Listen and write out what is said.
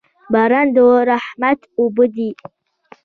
باران د رحمت اوبه دي.